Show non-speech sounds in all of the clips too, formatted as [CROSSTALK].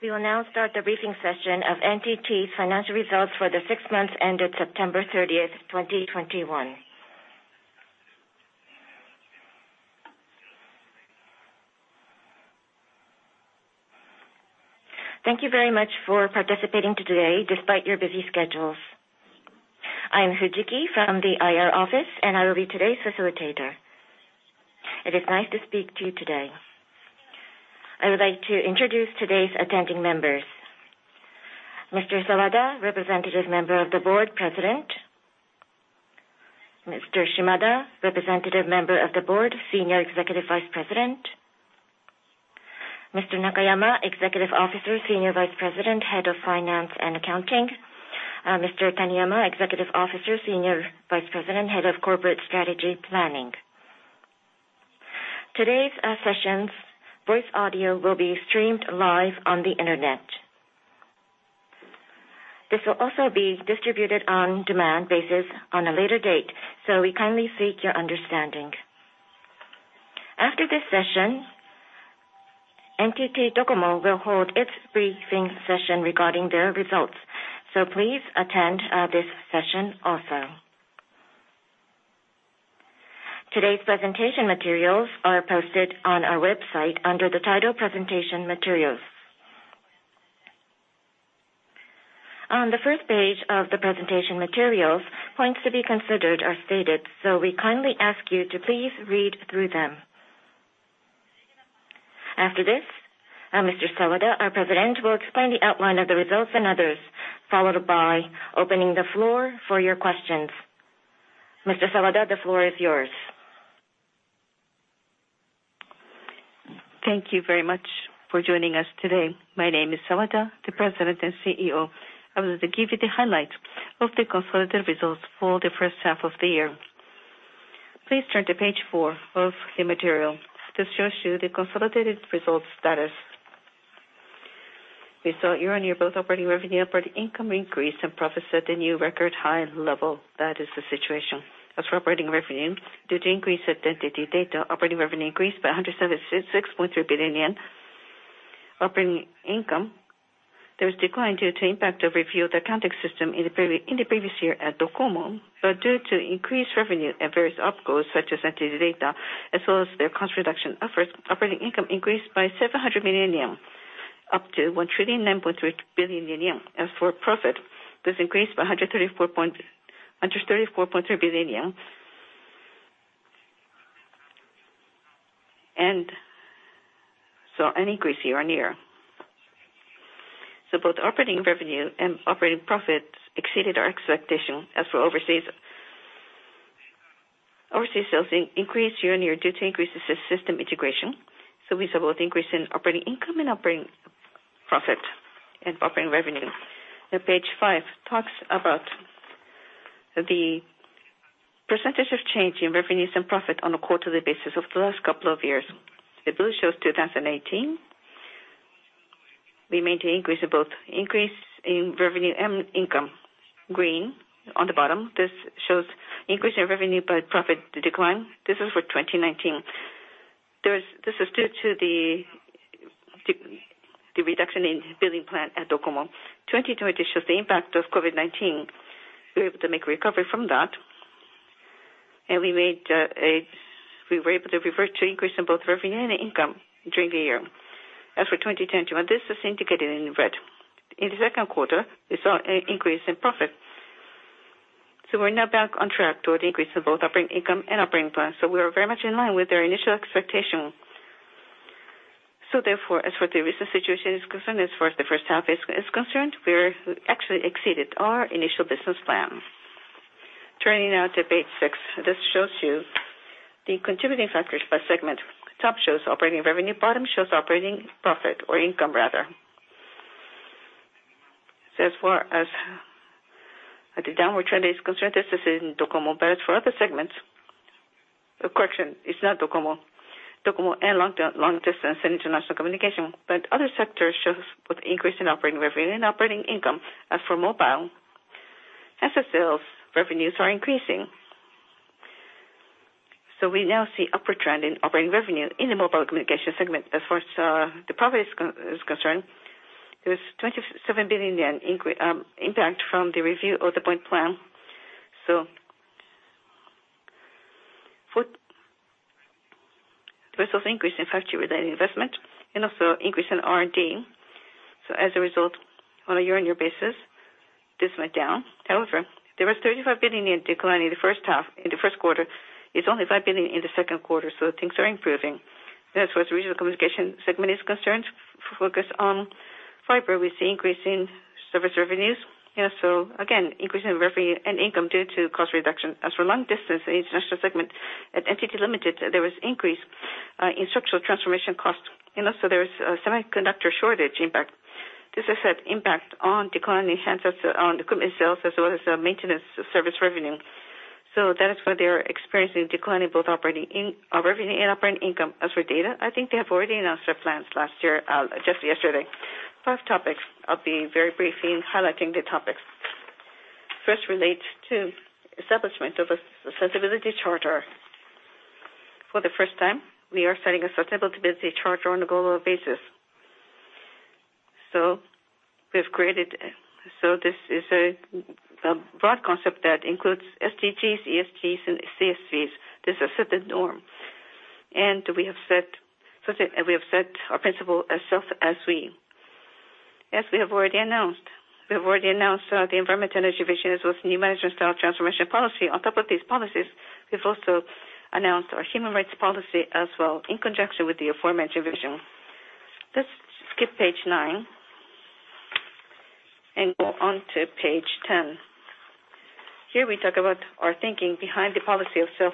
We will now start the briefing session of NTT's Financial Results for the Six Months Ended September 30th, 2021. Thank you very much for participating today despite your busy schedules. I am Fujiki from the IR office, and I will be today's facilitator. It is nice to speak to you today. I would like to introduce today's attending members. Mr. Sawada, Representative Member of the Board, President. Mr. Shimada, Representative Member of the Board, Senior Executive Vice President. Mr. Nakayama, Executive Officer, Senior Vice President, Head of Finance and Accounting. Mr. Taniyama, Executive Officer, Senior Vice President, Head of Corporate Strategy Planning. Today's session's voice audio will be streamed live on the internet. This will also be distributed on demand basis on a later date, so we kindly seek your understanding. After this session, NTT DOCOMO will hold its briefing session regarding their results, so please attend this session also. Today's presentation materials are posted on our website under the title Presentation Materials. On the first page of the Presentation Materials, points to be considered are stated, so we kindly ask you to please read through them. After this, Mr. Sawada, our President, will explain the outline of the results and others, followed by opening the floor for your questions. Mr. Sawada, the floor is yours. Thank you very much for joining us today. My name is Sawada, the President and CEO. I would like to give you the highlights of the consolidated results for the first half of the year. Please turn to page four of the material. This shows you the consolidated results status. We saw year-on-year both operating revenue, operating income increase, and profit set a new record high level. That is the situation. As for operating revenue, due to increased NTT DATA, operating revenue increased by 176.0 billion yen. Operating income, there was decline due to impact of reviewed accounting system in the previous year at DOCOMO. Due to increased revenue at various opcos, such as NTT DATA, as well as their cost reduction efforts, operating income increased by 700 million yen, up to 1,009.3 billion yen. As for profit, this increased by 134.3 billion yen. Saw an increase year-on-year. Both operating revenue and operating profits exceeded our expectation. As for overseas sales increased year-on-year due to increases in system integration, so we saw both increase in operating income and operating profit and operating revenue. Page five talks about the percentage of change in revenues and profit on a quarterly basis of the last couple of years. The blue shows 2018. We made an increase in both. Increase in revenue and income, green on the bottom, this shows increase in revenue, but profit decline. This is for 2019. This is due to the reduction in billing plan at DOCOMO. 2020 shows the impact of COVID-19. We were able to make a recovery from that, and we were able to revert to increase in both revenue and income during the year. As for 2021, this is indicated in red. In the second quarter, we saw an increase in profit. We're now back on track toward increase in both operating income and operating plan. We are very much in line with our initial expectation. As far as the recent situation is concerned, as far as the first half is concerned, we've actually exceeded our initial business plan. Turning now to page six. This shows you the contributing factors by segment. Top shows operating revenue, bottom shows operating profit or income rather. As far as the downward trend is concerned, this is in DOCOMO. But as for other segments, correction, it's not DOCOMO. DOCOMO and long distance and international communication. Other sectors show both increase in operating revenue and operating income. As for mobile, as the sales revenues are increasing, we now see upward trend in operating revenue in the mobile communication segment. As far as the profit is concerned, there was 27 billion yen impact from the review of the point plan. There was also increase in 5G-related investment and also increase in R&D. As a result, on a year-on-year basis, this went down. However, there was 35 billion decline in the first half, in the first quarter. It's only 5 billion in the second quarter, so things are improving. As far as regional communication segment is concerned, focus on fiber, we see increase in service revenues. Also, again, increase in revenue and income due to cost reduction. As for long distance and international segment, at NTT Limited, there was increase in structural transformation costs. Also there is a semiconductor shortage impact. This has had impact on decline in handsets on equipment sales, as well as maintenance service revenue. That is why they are experiencing decline in both operating revenue and operating income. As for data, I think they have already announced their plans last year just yesterday. Last topics. I'll be very brief in highlighting the topics. first relates to establishment of a sustainability charter. For the first time, we are setting a sustainability charter on a global basis. This is a broad concept that includes SDGs, ESGs, and CSRs. This sets the norm. We have set our principles as well as we have already announced. We have already announced the Environmental Energy Vision as well as new Management Style Transformation Policy. On top of these policies, we've also announced our Human Rights Policy as well in conjunction with the aforementioned vision. Let's skip page nine and go on to page 10. Here we talk about our thinking behind the policy itself.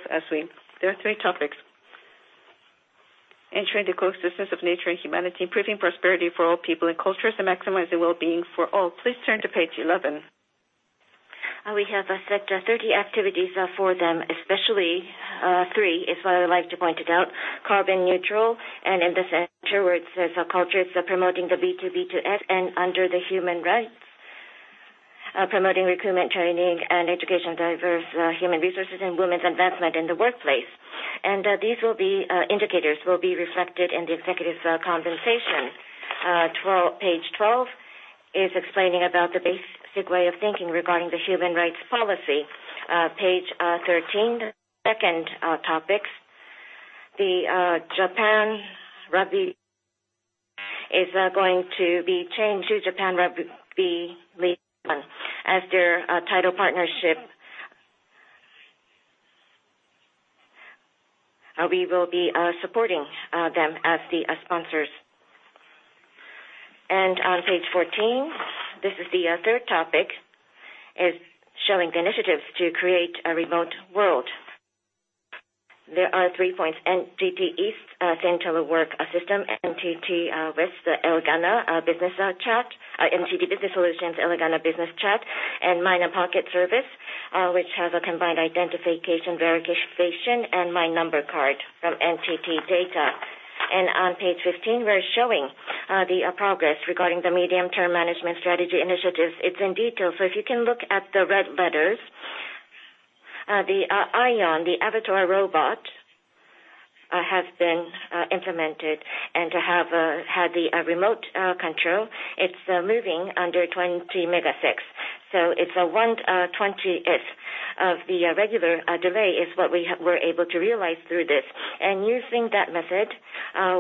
There are three topics. Entering the coexistence of nature and humanity, improving prosperity for all people and cultures, and maximizing well-being for all. Please turn to page 11. We have set 30 activities for them, especially three is what I would like to point it out. Carbon neutral and in the center where it says our culture is promoting the B2B2X and under the human rights, promoting recruitment, training and education, diverse human resources and women's advancement in the workplace. These indicators will be reflected in the executive compensation. Page 12 is explaining about the basic way of thinking regarding the human rights policy. Page 13, second topics. The Japan Rugby is going to be changed to Japan Rugby League One as their title partnership. We will be supporting them as the sponsors. On page 14, this is the third topic, is showing the initiatives to create a remote world. There are three points. NTT East telework system, NTT West elgana business chat, NTT Business Solutions elgana Business Chat, and Myna Pocket Service, which has a combined identification verification and My Number Card from NTT Data. On page 15, we're showing the progress regarding the medium-term management strategy initiatives. It's in detail. If you can look at the red letters, the IOWN, the avatar robot, has been implemented and to have had the remote control. It's moving under 20 ms. It's 1/20th-ish of the regular delay what we have we're able to realize through this. Using that method,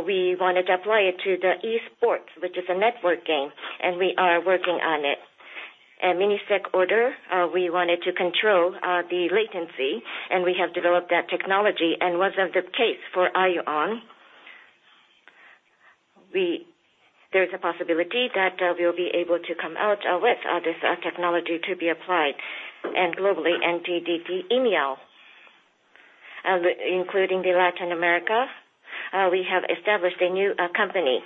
we wanted to apply it to the e-sports, which is a network game, and we are working on it. Millisecond order, we wanted to control the latency, and we have developed that technology. Was that the case for IOWN? There is a possibility that we will be able to come out with this technology to be applied. Globally, NTT EMEAL, including Latin America, we have established a new company,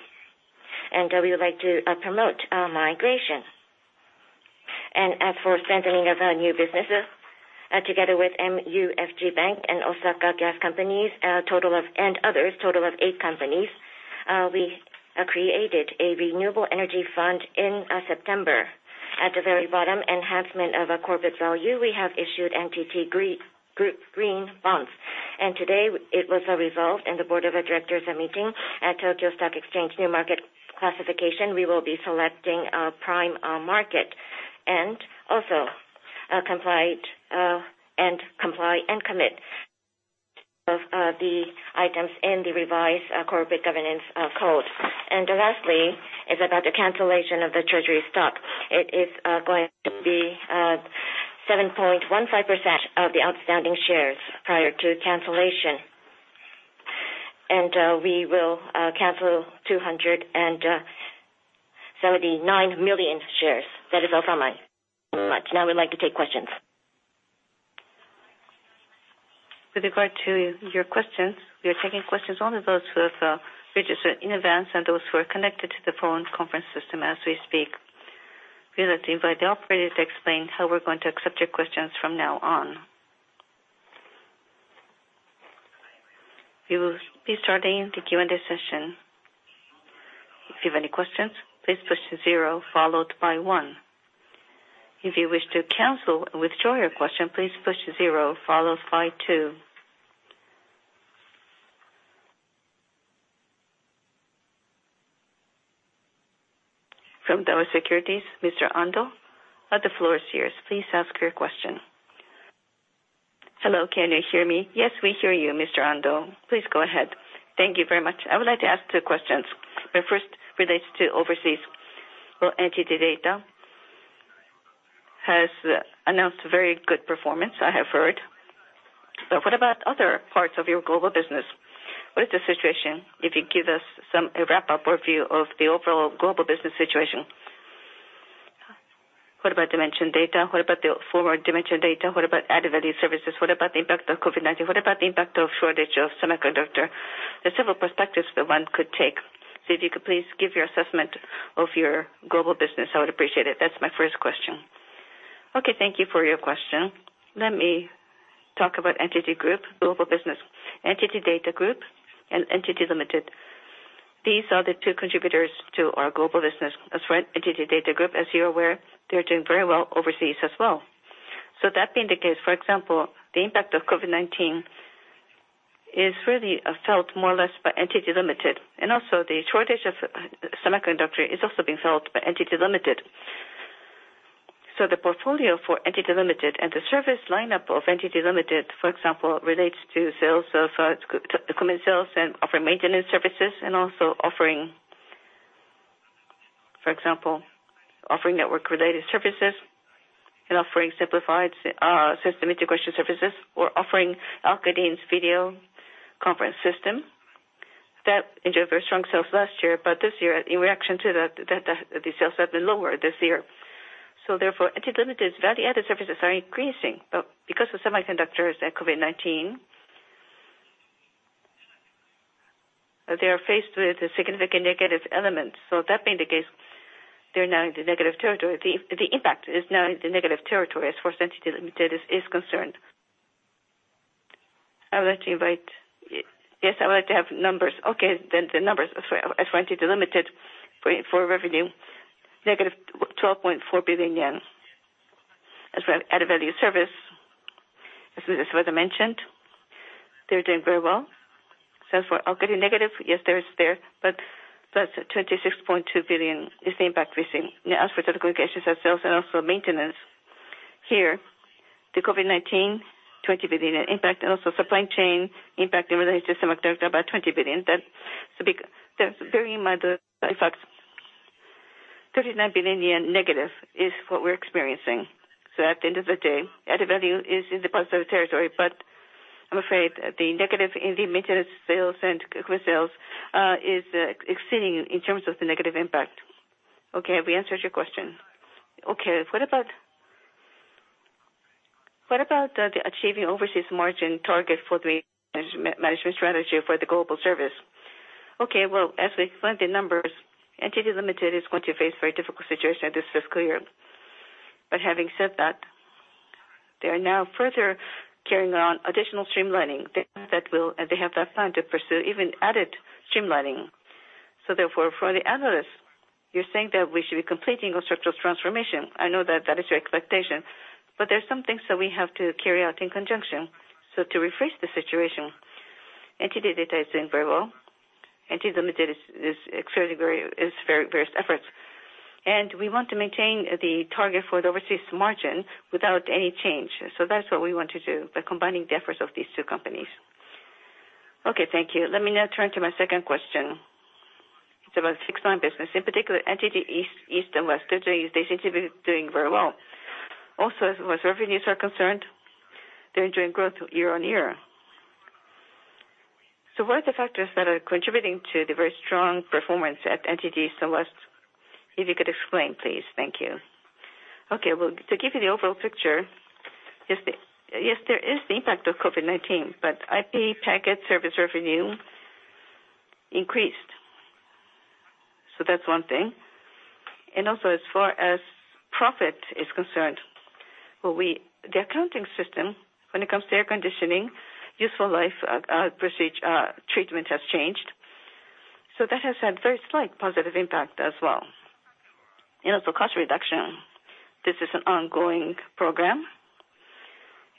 and we would like to promote migration. As for strengthening of our new businesses, together with MUFG Bank and Osaka Gas companies, total of, and others, total of eight companies, we created a renewable energy fund in September. At the very bottom, enhancement of our corporate value, we have issued NTT Group Green Bonds. Today it was resolved in the board of directors meeting at Tokyo Stock Exchange new market classification. We will be selecting Prime Market. Also, comply and commit to the items in the revised corporate governance code. Lastly is about the cancellation of the treasury stock. It is going to be 7.15% of the outstanding shares prior to cancellation. We will cancel 279 million shares. That is all from me. Now, we'd like to take questions. With regard to your questions, we are taking questions only those who have registered in advance and those who are connected to the phone conference system as we speak. We would like to invite the operator to explain how we're going to accept your questions from now on. We will be starting the Q&A session. If you have any questions, please push zero followed by one. If you wish to cancel and withdraw your question, please push zero followed by two. From Daiwa Securities, Mr. Ando, the floor is yours. Please ask your question. Hello, can you hear me? Yes, we hear you, Mr. Ando. Please go ahead. Thank you very much. I would like to ask two questions. The first relates to overseas. Well, NTT DATA has announced very good performance, I have heard. What about other parts of your global business? What is the situation? If you give us some, a wrap-up overview of the overall global business situation. What about dimension data? What about the former dimension data? What about added value services? What about the impact of COVID-19? What about the impact of shortage of semiconductor? There are several perspectives that one could take. If you could please give your assessment of your global business, I would appreciate it. That's my first question. Okay, thank you for your question. Let me talk about NTT Group global business. NTT DATA Group and NTT Limited these are the two contributors to our global business. As for NTT DATA Group, as you're aware, they're doing very well overseas as well. That being the case, for example, the impact of COVID-19 is really felt more or less by NTT Limited, and also the shortage of semiconductor is also being felt by NTT Limited The portfolio for NTT Limited and the service lineup of NTT Limited, for example, relates to sales of equipment sales and offering maintenance services and also offering, for example, network-related services and offering simplified system integration services. We're offering Arkadin's video conference system. That enjoyed very strong sales last year, but this year, in reaction to that, the sales have been lower this year. NTT Limited's value-added services are increasing. Because of semiconductors and COVID-19, they are faced with a significant negative element. That being the case, they're now in the negative territory. The impact is now in the negative territory as far as NTT Limited is concerned. I would like to have numbers. Okay, the numbers. As for NTT Limited, for revenue, negative 12.4 billion yen. As for value-added service, as further mentioned, they're doing very well. For operating negative, yes, there is, but that's 26.2 billion, the impact we're seeing. Now as for technical integration services and also maintenance, here, the COVID-19, 20 billion in impact, and also supply chain impact in relation to semiconductor, about 20 billion. That's bearing in mind the effect. 39 billion yen negative is what we're experiencing. At the end of the day, added value is in the positive territory, but I'm afraid the negative in the maintenance sales and equipment sales is exceeding in terms of the negative impact. Okay. Have we answered your question? Okay. What about the achieving overseas margin target for the management strategy for the global service? Okay. Well, as we explained the numbers, NTT Limited is going to face very difficult situation this fiscal year. Having said that, they are now further carrying on additional streamlining. They have that plan to pursue even added streamlining. Therefore, for the analysts, you're saying that we should be completing our structural transformation. I know that is your expectation. There are some things that we have to carry out in conjunction. To rephrase the situation, NTT DATA is doing very well. NTT Limited is exerting very various efforts. We want to maintain the target for the overseas margin without any change. That's what we want to do by combining the efforts of these two companies. Okay, thank you. Let me now turn to my second question. It's about fixed-line business, in particular, NTT East and West. They seem to be doing very well. Also, as far as revenues are concerned, they're enjoying growth year-over-year. What are the factors that are contributing to the very strong performance at NTT East and West? If you could explain, please. Thank you. Okay. Well, to give you the overall picture, yes, there is the impact of COVID-19, but IP packet service revenue increased. That's one thing. As far as profit is concerned, the accounting system when it comes to air conditioning useful life procedure treatment has changed. That has had very slight positive impact as well. Cost reduction. This is an ongoing program.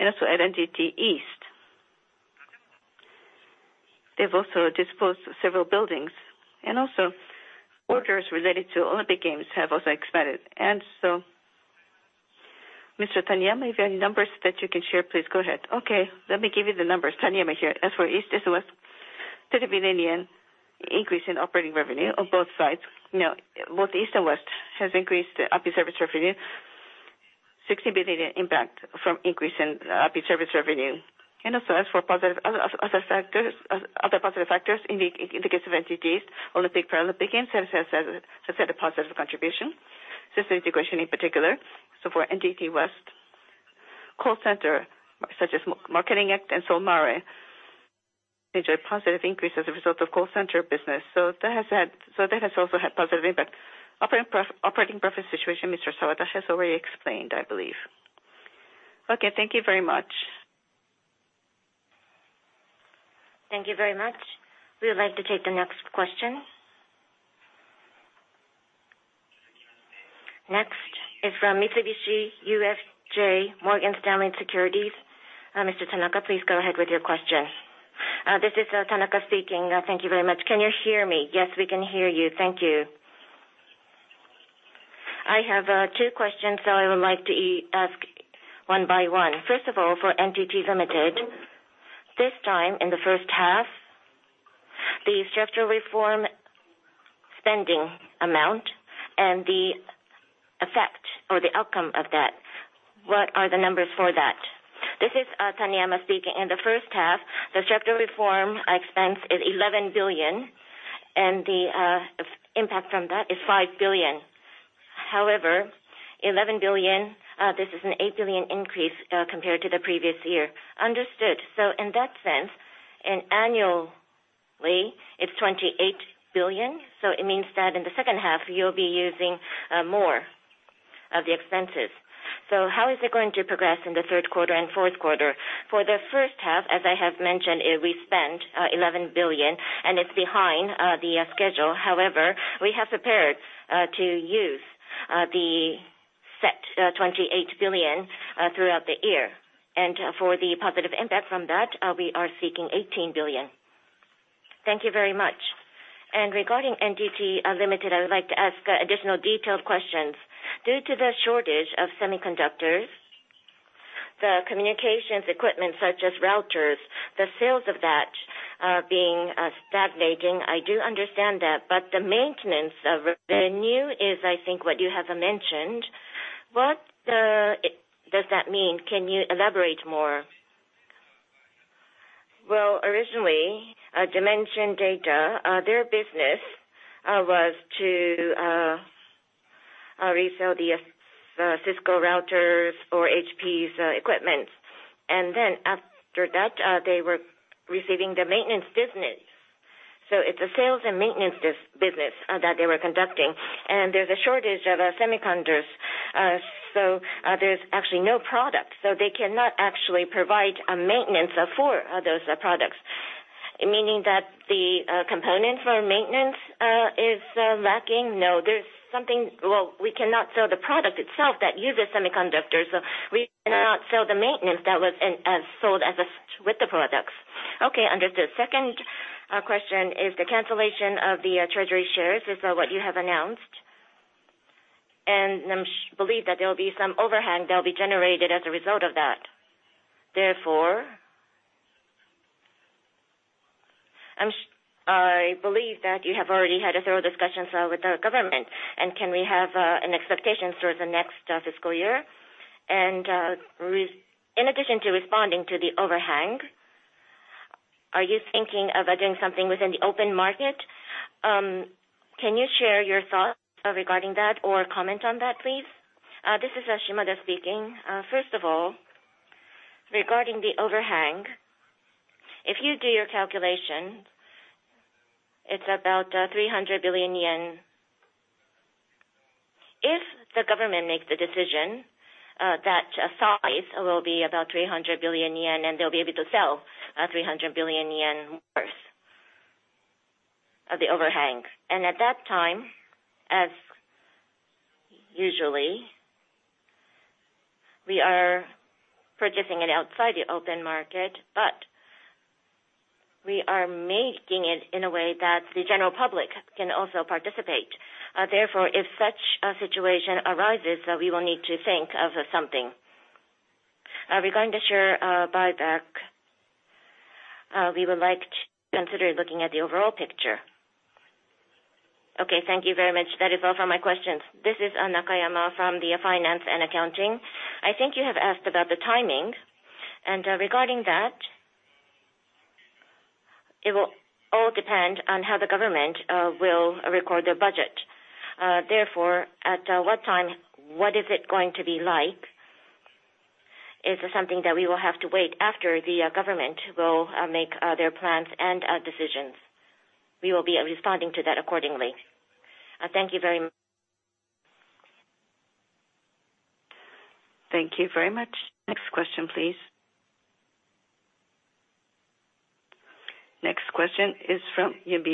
At NTT East, they've disposed several buildings. Orders related to Olympic Games have expanded. Mr. Taniyama, if you have any numbers that you can share, please go ahead. Okay. Let me give you the numbers. Taniyama here. As for East and West, JPY 30 billion increase in operating revenue on both sides. Now, both East and West has increased IP service revenue. 60 billion impact from increase in IP service revenue. As for other positive factors, in the case of NTT East, Olympic and Paralympic Games has had a positive contribution. System integration in particular. For NTT West, call center such as Marketing ACT and Solmare enjoyed positive increase as a result of call center business. That has also had positive impact. Operating profit situation, Mr. Sawada has already explained, I believe. Okay, thank you very much. Thank you very much. We would like to take the next question. Next is from Mitsubishi UFJ Morgan Stanley Securities. Mr. Tanaka, please go ahead with your question. This is Tanaka speaking. Thank you very much. Can you hear me? Yes, we can hear you. Thank you. I have two questions that I would like to ask one by one. First of all, for NTT Limited, this time in the first half, the structural reform spending amount and the effect or the outcome of that, what are the numbers for that? This is Taniyama speaking. In the first half, the structural reform expense is 11 billion, and the impact from that is 5 billion. However, 11 billion, this is an 8 billion increase, compared to the previous year. Understood. In that sense, annually it's 28 billion, so it means that in the second half you'll be using more of the expenses. How is it going to progress in the third quarter and fourth quarter? For the first half, as I have mentioned, we spent 11 billion and it's behind the schedule. However, we have prepared to use the set 28 billion throughout the year. For the positive impact from that, we are seeking 18 billion. Thank you very much. Regarding NTT Limited, I would like to ask additional detailed questions. Due to the shortage of semiconductors, the communications equipment such as routers, the sales of that being stagnating, I do understand that, but the maintenance of revenue is, I think, what you haven't mentioned.. What does that mean? Can you elaborate more? Well, originally, dimension data, their business was to resell Cisco routers or HP's equipment. Then after that, they were receiving the maintenance business. It's a sales and maintenance business that they were conducting and there's a shortage of semiconductors. So, there's actually no product, so they cannot actually provide maintenance for those products. Meaning that the component for maintenance is lacking? No, there's something. Well, we cannot sell the product itself that uses semiconductors, so we cannot sell the maintenance that was sold as a with the products. Okay, understood. Second question is the cancellation of the treasury shares is what you have announced. I believe that there will be some overhang that will be generated as a result of that. Therefore, I believe that you have already had a thorough discussions with the government and can we have an expectation towards the next fiscal year? In addition to responding to the overhang, are you thinking of doing something within the open market? Can you share your thoughts regarding that or comment on that, please? This is Shimada speaking. First of all, regarding the overhang, if you do your calculation, it's about 300 billion yen. If the government makes the decision, that size will be about 300 billion yen, and they'll be able to sell 300 billion yen worth of the overhang. At that time, as usual, we are purchasing it outside the open market, but we are making it in a way that the general public can also participate. Therefore, if such a situation arises, we will need to think of something. Regarding the share buyback, we would like to consider looking at the overall picture. Okay, thank you very much. That is all for my questions. This is Nakayama from the Finance and Accounting. I think you have asked about the timing, and regarding that, it will all depend on how the government will record their budget. Therefore, at what time, what is it going to be like, is something that we will have to wait after the government will make their plans and decisions. We will be responding to that accordingly. Uh, thank you very m- Thank you very much. Next question, please. Next question is from. [INAUDIBLE] Thank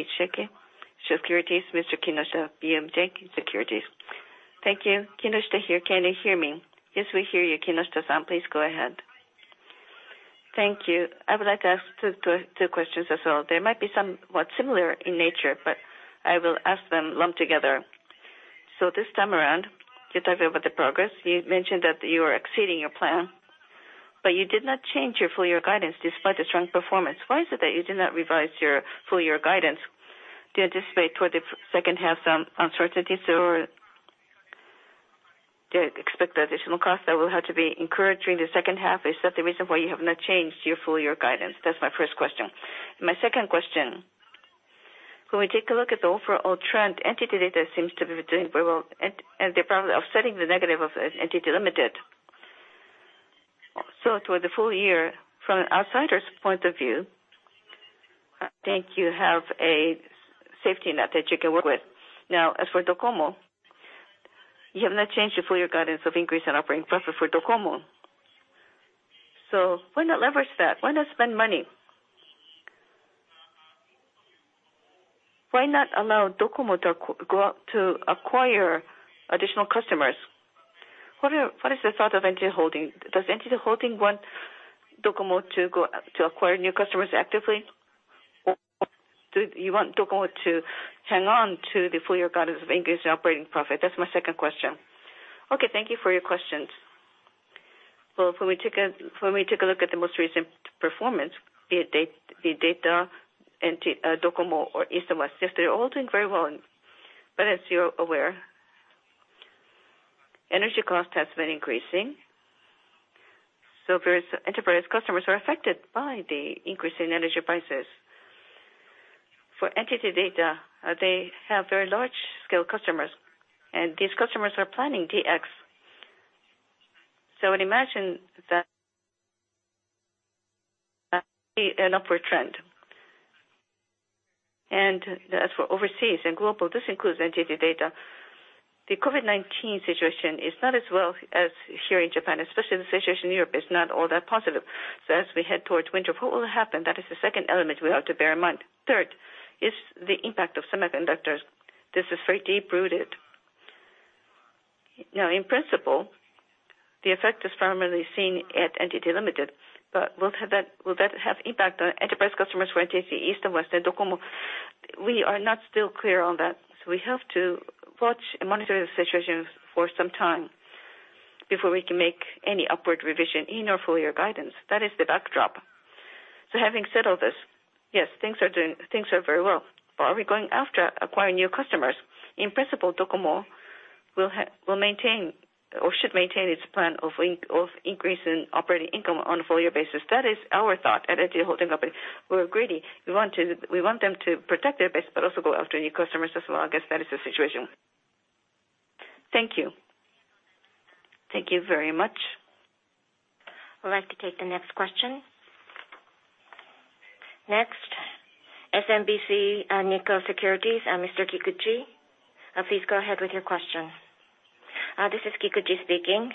you. Kinoshita here. Can you hear me? Yes, we hear you, Kinoshita-san. Please go ahead. Thank you. I would like to ask two questions as well. They might be somewhat similar in nature, but I will ask them lumped together. This time around, you talked about the progress. You mentioned that you are exceeding your plan, but you did not change your full year guidance despite the strong performance. Why is it that you did not revise your full year guidance? Do you anticipate toward the second half some uncertainties or do you expect additional costs that will have to be incurred during the second half? Is that the reason why you have not changed your full year guidance? That's my first question. My second question, when we take a look at the overall trend, NTT DATA seems to be doing very well and they're probably offsetting the negative of NTT Limited Toward the full year, from an outsider's point of view, I think you have a safety net that you can work with. Now, as for DOCOMO, you have not changed your full year guidance of increase in operating profit for DOCOMO. Why not leverage that? Why not spend money? Why not allow DOCOMO to go out to acquire additional customers? What is the thought of NTT Holding? Does NTT Holding want DOCOMO to go to acquire new customers actively? Or do you want DOCOMO to hang on to the full year guidance of increase in operating profit? That's my second question. Okay, thank you for your questions. Well, when we take a look at the most recent performance, be it NTT Data, NTT, DOCOMO or East and West, yes, they're all doing very well. As you're aware, energy cost has been increasing. Various enterprise customers are affected by the increase in energy prices. For NTT Data, they have very large scale customers, and these customers are planning DX. I would imagine that we see an upward trend. As for overseas and global, this includes NTT Data. The COVID-19 situation is not as well as here in Japan, especially the situation in Europe is not all that positive. As we head towards winter, what will happen? That is the second element we have to bear in mind. Third is the impact of semiconductors. This is very deep-rooted. Now, in principle, the effect is primarily seen at NTT Limited, but will that have impact on enterprise customers for NTT East and West and DOCOMO? We are still not clear on that. We have to watch and monitor the situation for some time before we can make any upward revision in our full year guidance. That is the backdrop. Having said all this, yes, things are very well. Are we going after acquiring new customers? In principle, DOCOMO will maintain or should maintain its plan of increasing operating income on a full year basis. That is our thought at NTT Holding Company. We're greedy. We want them to protect their base, but also go after new customers as well. I guess that is the situation. Thank you. Thank you very much. We'd like to take the next question. Next, SMBC Nikko Securities, Mr. Kikuchi, please go ahead with your question. This is Kikuchi speaking.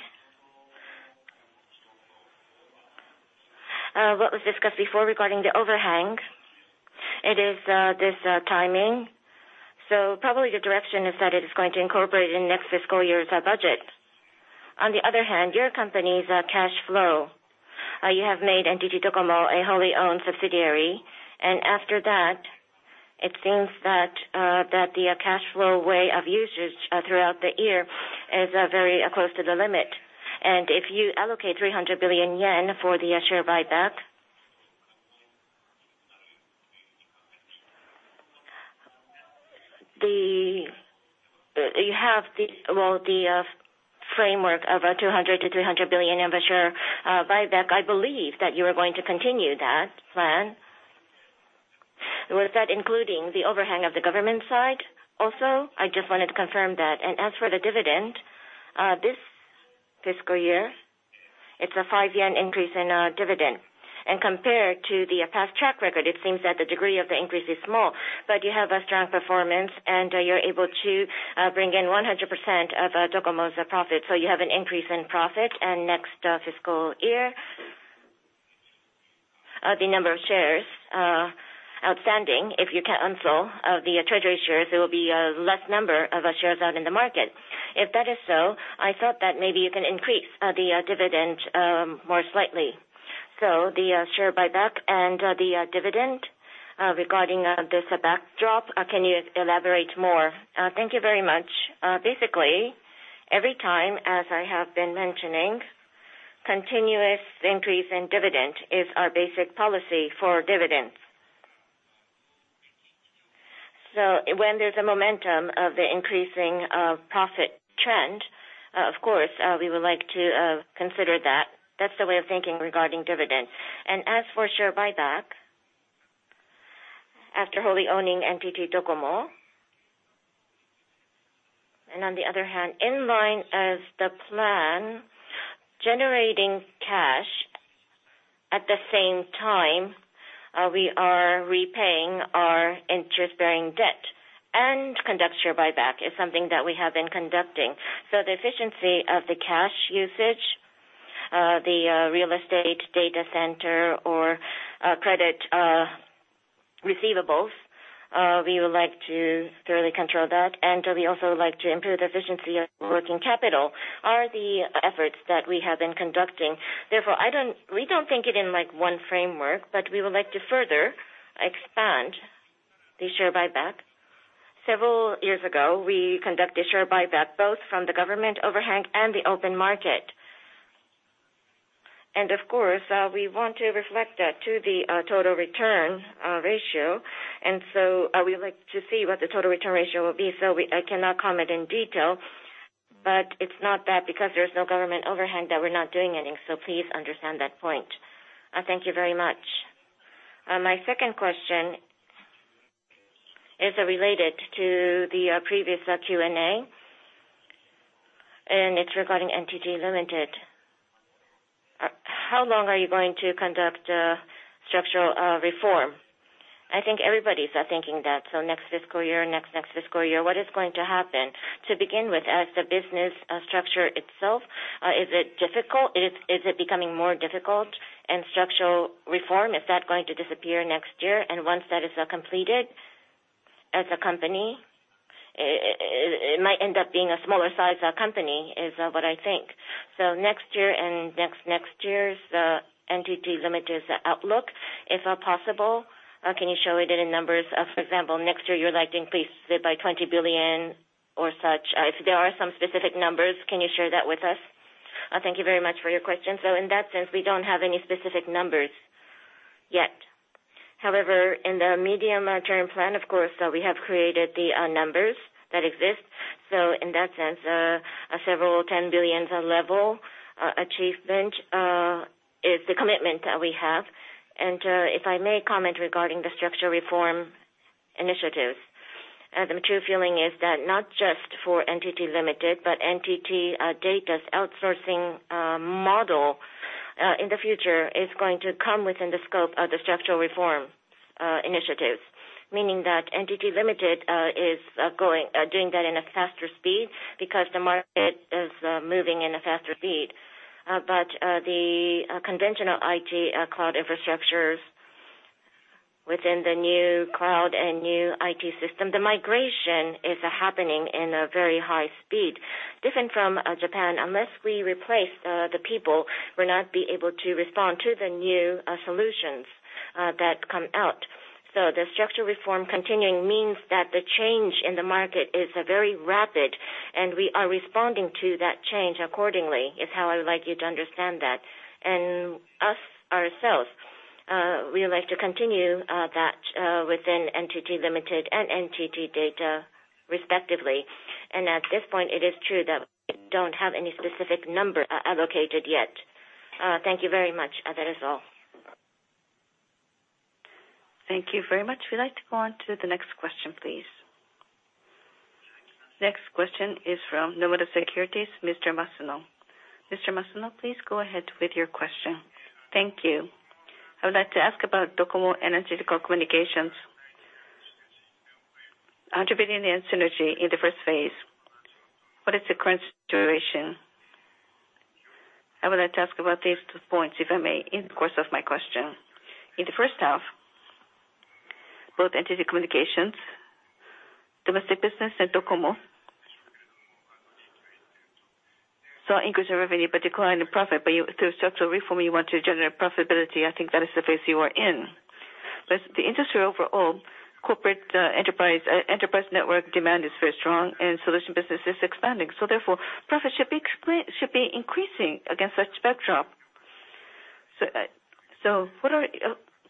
What was discussed before regarding the overhang, it is this timing. Probably the direction is that it is going to incorporate in next fiscal year's budget. On the other hand, your company's cash flow, you have made NTT DOCOMO a wholly owned subsidiary, and after that, it seems that the cash flow way of usage throughout the year is very close to the limit. If you allocate 300 billion yen for the share buyback. You have the framework of 200 billion-300 billion of a share buyback. I believe that you are going to continue that plan. Was that including the overhang of the government side also? I just wanted to confirm that. As for the dividend, this fiscal year, it's a 5 yen increase in dividend. Compared to the past track record, it seems that the degree of the increase is small, but you have a strong performance, and you're able to bring in 100% of DOCOMO's profit, so you have an increase in profit. Next fiscal year, the number of shares outstanding, if you cancel the treasury shares, there will be less number of shares out in the market. If that is so, I thought that maybe you can increase the dividend more slightly. The share buyback and the dividend, regarding this backdrop, can you elaborate more? Thank you very much. Basically, every time, as I have been mentioning, continuous increase in dividend is our basic policy for dividends. When there's a momentum of the increasing profit trend, of course, we would like to consider that. That's the way of thinking regarding dividends. As for share buyback, after wholly owning NTT DOCOMO, and on the other hand, in line with the plan, generating cash, at the same time, we are repaying our interest-bearing debt. Conducting share buyback is something that we have been conducting. The efficiency of the cash usage, the real estate, data center or credit receivables, we would like to thoroughly control that. We also would like to improve the efficiency of working capital are the efforts that we have been conducting. Therefore, we don't think it in like one framework, but we would like to further expand the share buyback. Several years ago, we conducted share buyback both from the government overhang and the open market. Of course, we want to reflect that to the total return ratio. We would like to see what the total return ratio will be. I cannot comment in detail, but it's not that because there's no government overhang that we're not doing anything. Please understand that point. Thank you very much. My second question is related to the previous Q&A, and it's regarding NTT Limited How long are you going to conduct structural reform? I think everybody is thinking that. Next fiscal year, what is going to happen? To begin with, as the business structure itself, is it difficult? Is it becoming more difficult? Structural reform, is that going to disappear next year? Once that is completed as a company, it might end up being a smaller size company, is what I think. Next year and next year's NTT Limited's outlook, if possible, can you show it in numbers? For example, next year, you would like to increase it by 20 billion or such. If there are some specific numbers, can you share that with us? Thank you very much for your question. In that sense, we don't have any specific numbers yet. However, in the medium term plan, of course, we have created the numbers that exist. In that sense, several tens of billions level achievement is the commitment that we have. If I may comment regarding the structural reform initiatives. The mature feeling is that not just for NTT Limited, but NTT DATA's outsourcing model in the future is going to come within the scope of the structural reform initiatives. Meaning that NTT Limited is doing that in a faster speed because the market is moving in a faster speed. The conventional IT cloud infrastructures within the new cloud and new IT system, the migration is happening in a very high speed. Different from Japan, unless we replace the people, we'll not be able to respond to the new solutions that come out. The structural reform continuing means that the change in the market is very rapid, and we are responding to that change accordingly, is how I would like you to understand that. We would like to continue that within NTT Limited and NTT DATA respectively. At this point, it is true that we don't have any specific number allocated yet. Thank you very much. That is all. Thank you very much. We'd like to go on to the next question, please. Next question is from Nomura Securities, Mr. Masuno. Mr. Masuno, please go ahead with your question. Thank you. I would like to ask about DOCOMO and NTT Communications. 100 billion synergy in the first phase. What is the current situation? I would like to ask about these two points, if I may, in the course of my question. In the first half, both NTT Communications, domestic business and DOCOMO, saw increase in revenue, but decline in profit. You through structural reform, you want to generate profitability. I think that is the phase you are in. The industry overall, corporate, enterprise network demand is very strong and solution business is expanding, so therefore, profit should be increasing against such backdrop.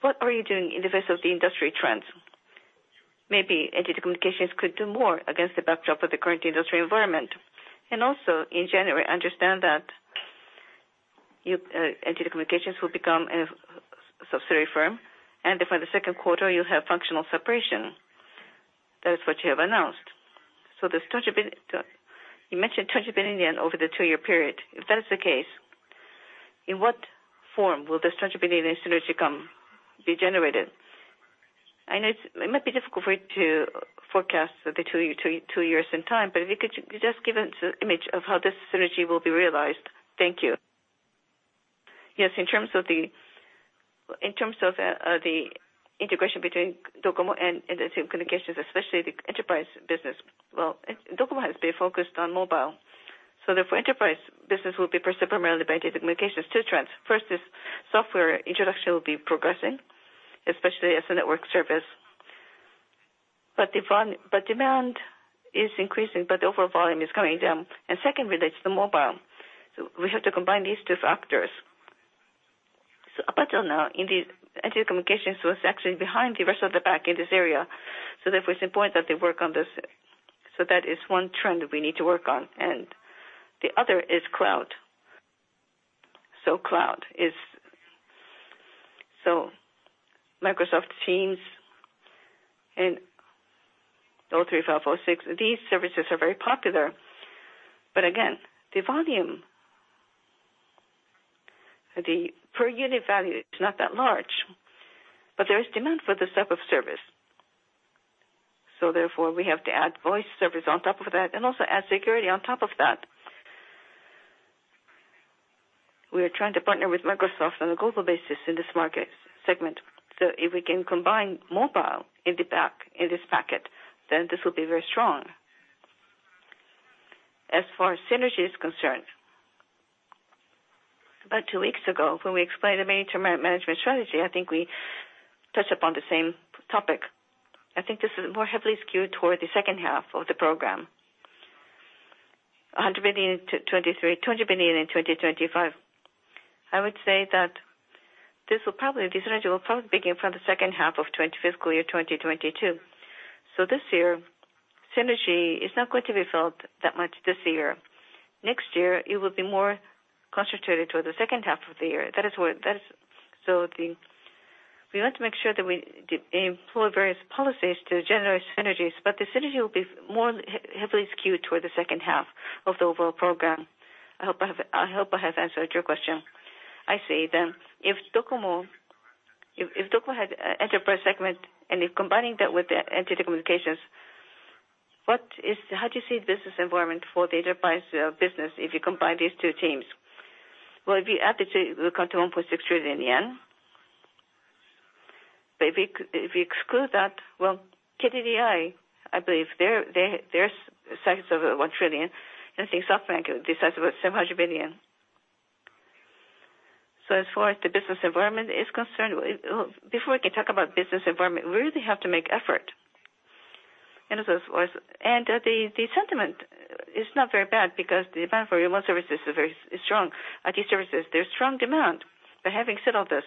What are you doing in the face of the industry trends? Maybe NTT Communications could do more against the backdrop of the current industry environment. Also, in January, I understand that you, NTT Communications will become a subsidiary firm, and then for the second quarter you have functional separation. That is what you have announced. The strategic benefit over the two-year period. If that is the case, in what form will the strategic benefit and synergy come, be generated? I know it's, it might be difficult for you to forecast the two years in time, but if you could just give us an image of how this synergy will be realized. Thank you. Yes. In terms of the integration between DOCOMO and NTT Communications, especially the enterprise business, well, DOCOMO has been focused on mobile. Therefore, enterprise business will be pursued primarily by NTT Communications. Two trends. First is software introduction will be progressing, especially as a network service. Demand is increasing, but the overall volume is going down. Second relates to mobile. We have to combine these two factors. Up until now, indeed, NTT Communications was actually behind the rest of the pack in this area, so therefore it's important that they work on this. That is one trend we need to work on. The other is cloud. Cloud is Microsoft Teams and O365, these services are very popular. Again, the volume, the per unit value is not that large, but there is demand for this type of service. Therefore, we have to add voice service on top of that and also add security on top of that. We are trying to partner with Microsoft on a global basis in this market segment, so if we can combine mobile in the pack, in this packet, then this will be very strong. As far as synergy is concerned, about two weeks ago when we explained the mid-term management strategy, I think we touched upon the same topic. I think this is more heavily skewed toward the second half of the program. 100 billion in 2023, 20 billion in 2025. I would say that the synergy will probably begin from the second half of fiscal year 2022. This year, synergy is not going to be felt that much this year. Next year, it will be more concentrated toward the second half of the year. That is what. We want to make sure that we deploy various policies to generate synergies, but the synergy will be more heavily skewed toward the second half of the overall program. I hope I have answered your question. I see. If DOCOMO had enterprise segment and if combining that with the NTT Communications, how do you see the business environment for the enterprise business if you combine these two teams? Well, if you add the two, it will come to JPY 1.6 trillion. If you exclude that, well, KDDI, I believe their size is over 1 trillion. I think SoftBank does about 700 billion. As far as the business environment is concerned. Before we can talk about business environment, we really have to make effort in this voice. The sentiment is not very bad because the demand for remote services is strong. IT services. There's strong demand. Having said all this,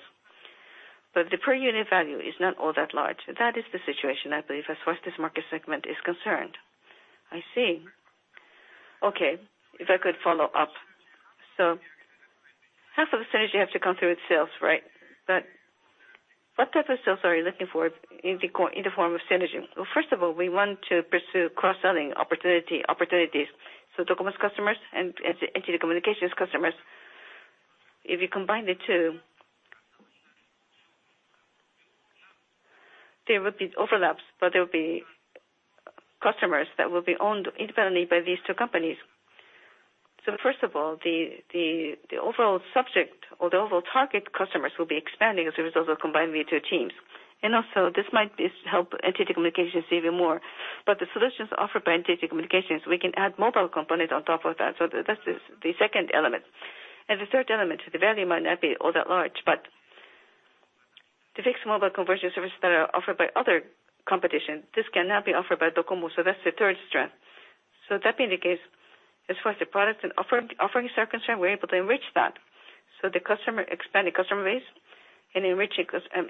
the per unit value is not all that large. That is the situation, I believe, as far as this market segment is concerned. I see. Okay, if I could follow up. Sure. Half of the synergy have to come through its sales, right? What type of sales are you looking for in the form of synergy? Well, first of all, we want to pursue cross-selling opportunities. DOCOMO's customers and NTT Communications customers, if you combine the two, there would be overlaps, but there will be customers that will be owned independently by these two companies. First of all, the overall subject or the overall target customers will be expanding as a result of combining the two teams. Also this might help NTT Communications even more. The solutions offered by NTT Communications, we can add mobile component on top of that. That is the second element. The third element, the value might not be all that large, but the fixed mobile conversion services that are offered by other competitors, this cannot be offered by DOCOMO. That's the third strength. That being the case, as far as the products and offering circumstance, we're able to enrich that. The customer expanding customer base and enriching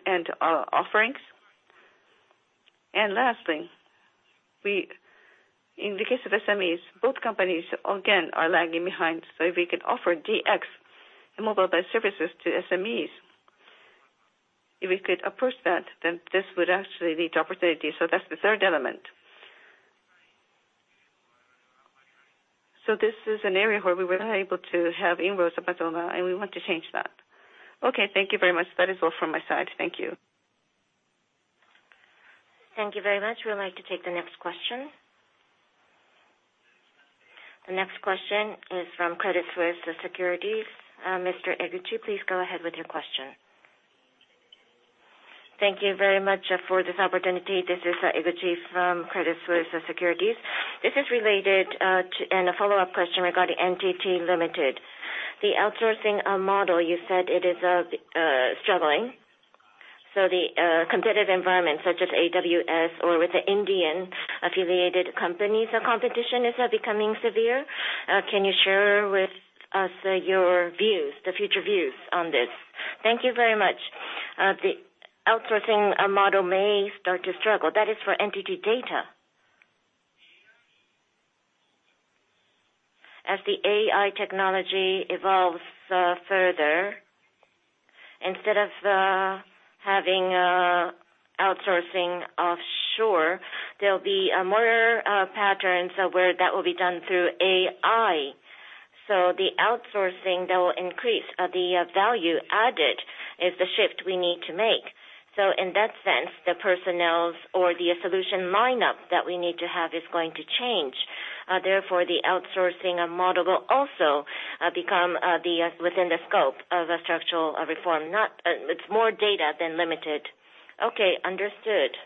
and our offerings. Lastly, we in the case of SMEs, both companies again are lagging behind. If we can offer DX and mobile-based services to SMEs, if we could approach that, then this would actually lead to opportunity. That's the third element. This is an area where we were not able to have inroads up until now, and we want to change that. Okay, thank you very much. That is all from my side. Thank you. Thank you very much. We would like to take the next question. The next question is from Credit Suisse Securities. Mr. Eguchi, please go ahead with your question. Thank you very much for this opportunity. This is Eguchi from Credit Suisse Securities. This is related to and a follow-up question regarding NTT Limited The outsourcing model you said it is struggling. The competitive environment such as AWS or with the Indian affiliated companies, the competition is becoming severe. Can you share with us your views, the future views on this? Thank you very much. The outsourcing model may start to struggle. That is for NTT DATA. As the AI technology evolves further, instead of having outsourcing offshore, there'll be more patterns where that will be done through AI. The outsourcing that will increase the value added is the shift we need to make. In that sense, the personnel or the solution lineup that we need to have is going to change. Therefore, the outsourcing model will also become within the scope of a structural reform, not. It's more than limited. Okay, understood.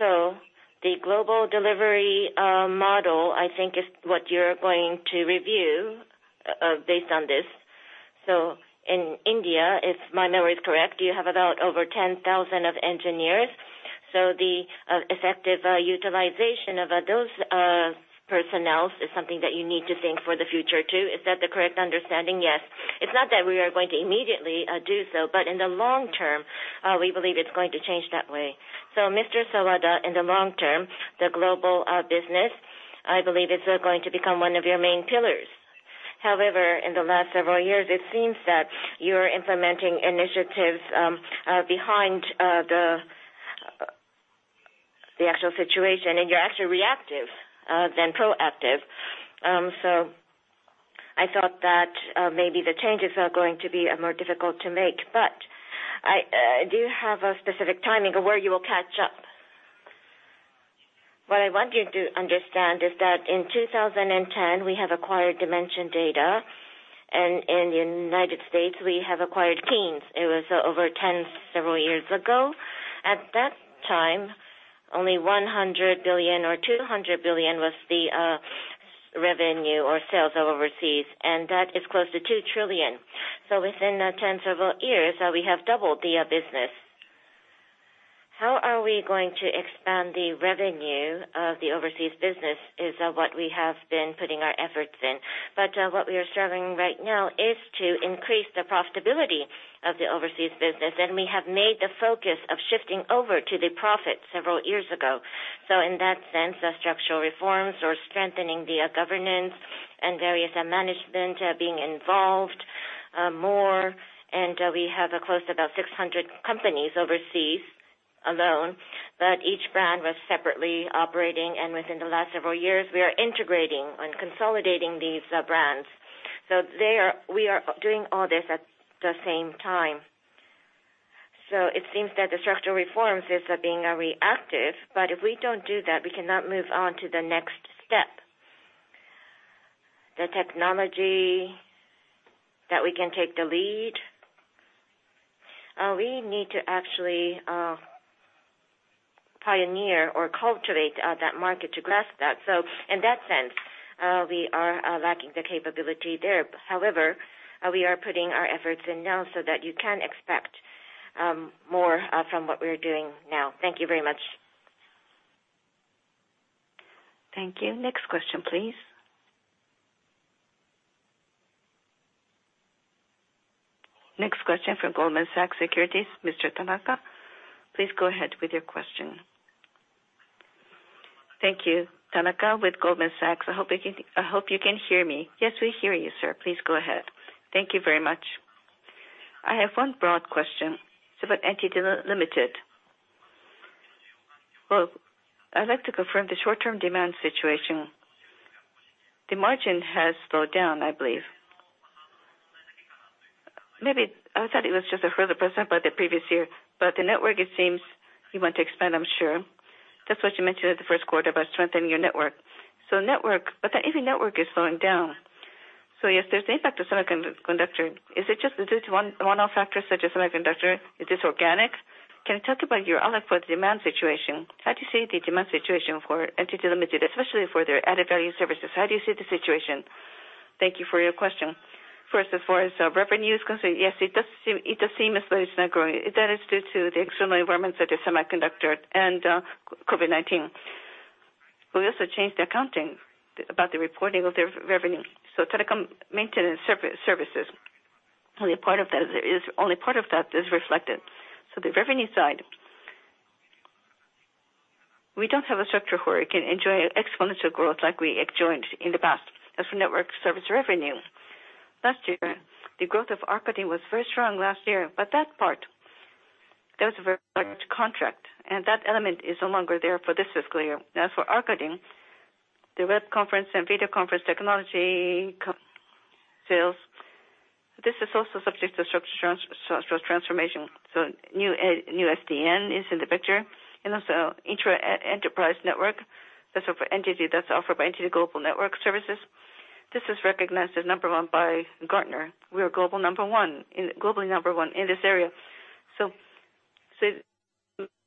The global delivery model, I think, is what you're going to review based on this. In India, if my memory is correct, you have about over 10,000 engineers. The effective utilization of those personnel is something that you need to think for the future too. Is that the correct understanding? Yes. It's not that we are going to immediately do so, but in the long term, we believe it's going to change that way. Mr. Sawada, in the long term, the global business, I believe it's going to become one of your main pillars. However, in the last several years, it seems that you're implementing initiatives behind the actual situation and you're actually reactive than proactive. I thought that maybe the changes are going to be more difficult to make. Do you have a specific timing of where you will catch up? What I want you to understand is that in 2010, we have acquired dimension data. In U.S., we have acquired Teams. It was over ten several years ago. At that time, only 100 billion or 200 billion was the revenue or sales overseas, and that is close to 2 trillion. Within the last several years we have doubled the business. How are we going to expand the revenue of the overseas business is what we have been putting our efforts in. What we are striving right now is to increase the profitability of the overseas business. We have made the focus of shifting over to the profit several years ago. In that sense, the structural reforms or strengthening the governance and various management being involved more. We have close to 600 companies overseas alone, but each brand was separately operating. Within the last several years, we are integrating and consolidating these brands. We are doing all this at the same time. It seems that the structural reforms is being reactive, but if we don't do that, we cannot move on to the next step. The technology that we can take the lead, we need to actually pioneer or cultivate that market to grasp that. In that sense, we are lacking the capability there. However, we are putting our efforts in now so that you can expect more from what we are doing now. Thank you very much. Thank you. Next question, please. Next question from Goldman Sachs Securities. Mr. Tanaka, please go ahead with your question. Thank you. Tanaka with Goldman Sachs. I hope you can hear me. Thank you very much. I have one broad question. It's about NTT Limited Well, I'd like to confirm the short-term demand situation. The margin has slowed down, I believe. Maybe I thought it was just 4% by the previous year, but the network, it seems you want to expand, I'm sure. That's what you mentioned in the first quarter about strengthening your network. Network, but the IP network is slowing down. Yes, there's the impact of semiconductor. Is it just one-off factor such as semiconductor? Is this organic? Can you talk about your outlook for the demand situation? How do you see the demand situation for NTT Limited, especially for their added value services? How do you see the situation? Thank you for your question. First, as far as revenue is concerned, yes, it does seem as though it's not growing. That is due to the external environment such as semiconductor and COVID-19. We also changed the accounting about the reporting of the revenue. Telecom maintenance services, only part of that is reflected. The revenue side, we don't have a structure where we can enjoy exponential growth like we enjoyed in the past. As for network service revenue, last year, the growth of Arkadin was very strong last year. That part, that was a very large contract, and that element is no longer there, for this is clear. As for Arkadin, the web conference and video conference technology conference sales, this is also subject to structural transformation. New SDN is in the picture, and also intra-enterprise network. That's for NTT, that's offered by NTT Global Network Services. This is recognized as number one by Gartner. We are globally number one in this area.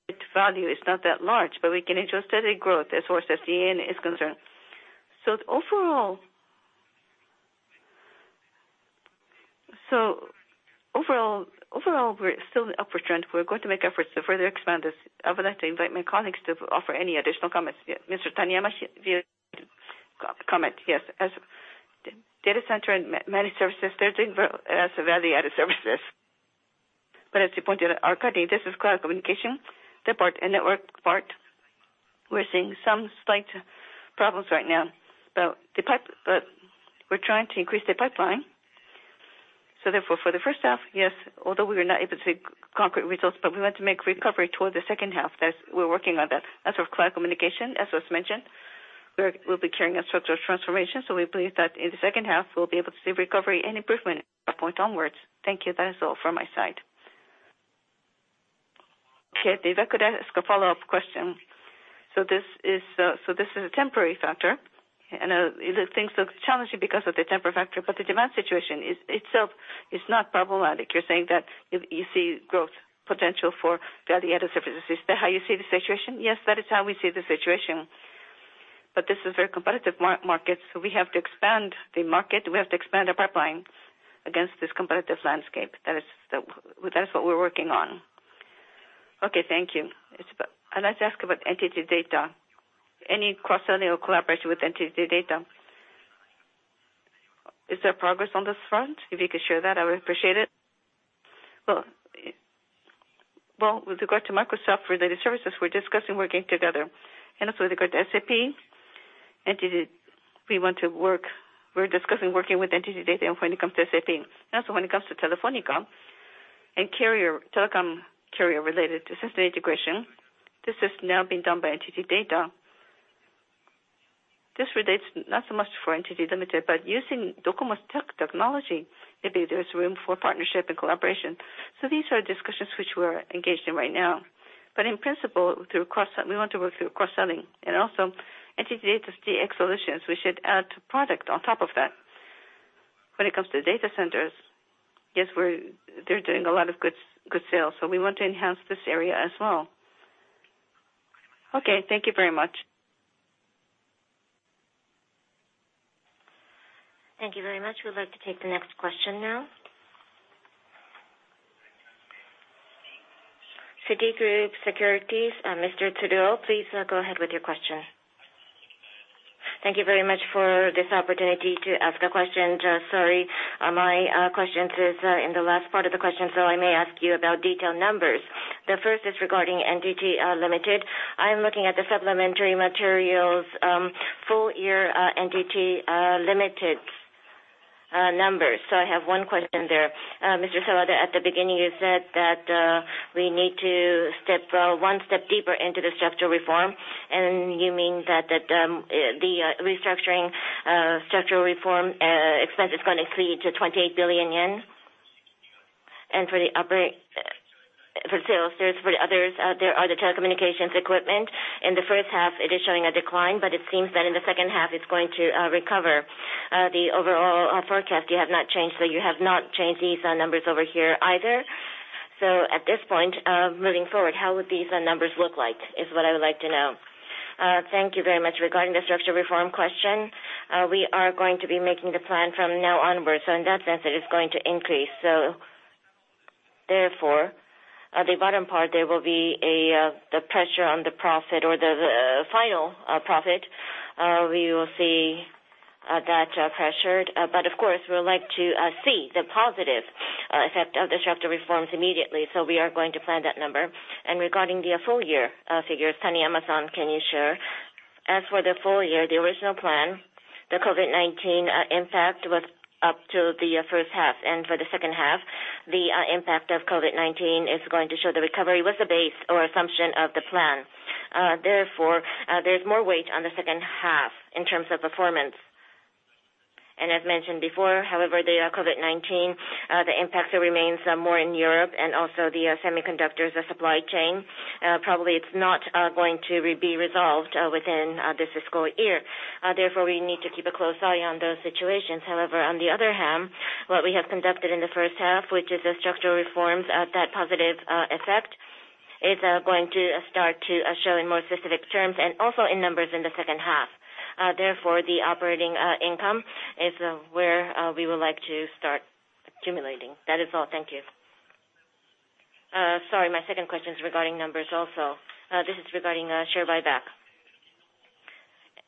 Its value is not that large, but we can ensure steady growth as far as SDN is concerned. Overall, we're still in the upward trend. We're going to make efforts to further expand this. I would like to invite my colleagues to offer any additional comments. Mr. Taniyama, if you could comment. Yes. As data center and managed services, they're doing well as value-added services. As you pointed out, Arkadin, this is cloud communication, that part and network part, we're seeing some slight problems right now. We're trying to increase the pipeline. Therefore, for the first half, yes, although we were not able to see concrete results, but we want to make recovery toward the second half. That is, we're working on that. As for cloud communication, as was mentioned, we'll be carrying out structural transformation. We believe that in the second half, we'll be able to see recovery and improvement from that point onwards. Thank you. That is all from my side. Okay. If I could ask a follow-up question. This is a temporary factor, and things look challenging because of the temporary factor, but the demand situation itself is not problematic. You're saying that if you see growth potential for value-added services. Is that how you see the situation? Yes, that is how we see the situation. This is very competitive markets, so we have to expand the market. We have to expand our pipeline against this competitive landscape. That's what we're working on. Okay, thank you. I'd like to ask about NTT DATA. Any cross-selling or collaboration with NTT DATA? Is there progress on this front? If you could share that, I would appreciate it. Well, with regard to Microsoft-related services, we're discussing working together. Also with regard to SAP, NTT, we're discussing working with NTT DATA when it comes to SAP. Also when it comes to Telefónica and carrier, telecom carrier-related system integration, this is now being done by NTT DATA. This relates not so much for NTT Limited, but using DOCOMO's technology, maybe there's room for partnership and collaboration. These are discussions which we're engaged in right now. In principle, through cross-selling, we want to work through cross-selling. NTT DATA's DX solutions, we should add product on top of that. When it comes to data centers, yes, they're doing a lot of good sales, so we want to enhance this area as well. Okay, thank you very much. Thank you very much. We'd like to take the next question now. Citigroup Securities, Mr. Tsuruo, please, go ahead with your question. Thank you very much for this opportunity to ask a question. Sorry, my question is in the last part of the question, so I may ask you about detailed numbers. The first is regarding NTT Limited I am looking at the supplementary materials, full year NTT Limited numbers. I have one question there. Mr. Sawada, at the beginning, you said that we need to step one step deeper into the structural reform. You mean that the structural reform expense is gonna increase to 28 billion yen? For sales, there's for the others, there are the telecommunications equipment. In the first half, it is showing a decline, but it seems that in the second half, it's going to recover. The overall forecast, you have not changed, so you have not changed these numbers over here either. At this point, moving forward, how would these numbers look like, is what I would like to know. Thank you very much. Regarding the structural reform question, we are going to be making the plan from now onwards, so in that sense it is going to increase. Therefore, at the bottom part, there will be the pressure on the profit or the final profit. We will see that pressured. But of course, we would like to see the positive effect of the structure reforms immediately, so we are going to plan that number. Regarding the full year figures, Taniyama-san, can you share? As for the full year, the original plan, the COVID-19 impact was up to the first half. For the second half, the impact of COVID-19 is going to show the recovery with the base or assumption of the plan. Therefore, there's more weight on the second half in terms of performance. As mentioned before, however, the COVID-19 impact remains more in Europe, and also the semiconductors, the supply chain. Probably it's not going to be resolved within this fiscal year. Therefore, we need to keep a close eye on those situations. However, on the other hand, what we have conducted in the first half, which is the structural reforms, that positive effect is going to start to show in more specific terms and also in numbers in the second half. Therefore, the operating income is where we would like to start accumulating. That is all. Thank you. Sorry, my second question is regarding numbers also. This is regarding share buyback.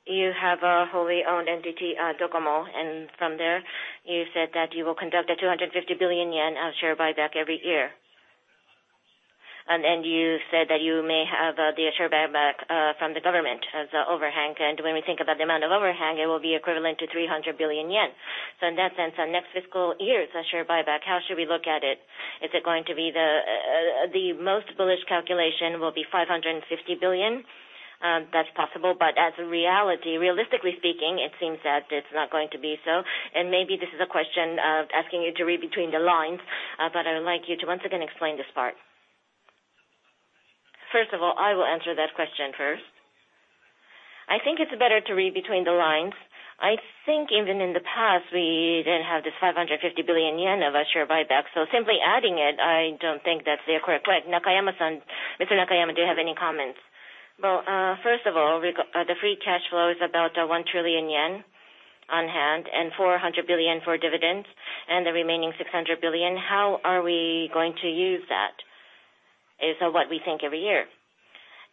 You have a wholly owned entity, DOCOMO, and from there you said that you will conduct 250 billion yen of share buyback every year. You said that you may have the share buyback from the government as an overhang. When we think about the amount of overhang, it will be equivalent to 300 billion yen. In that sense, on next fiscal year's share buyback, how should we look at it? Is it going to be the most bullish calculation will be 550 billion? That's possible. As a reality, realistically speaking, it seems that it's not going to be so. Maybe this is a question asking you to read between the lines, but I would like you to once again explain this part. First of all, I will answer that question first. I think it's better to read between the lines. I think even in the past, we didn't have this 550 billion yen of a share buyback, so simply adding it, I don't think that's the correct way. Nakayama-san, Mr. Nakayama, do you have any comments? First of all, we've got the free cash flow is about 1 trillion yen on hand and 400 billion for dividends. The remaining 600 billion, how are we going to use that, is what we think every year.